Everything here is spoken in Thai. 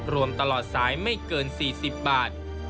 รวมตลอดสายไม่เกิน๔๐บาท